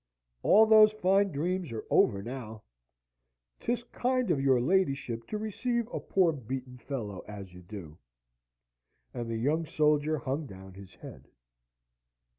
All those fine dreams are over now. 'Tis kind of your ladyship to receive a poor beaten fellow as you do:" and the young soldier hung down his head.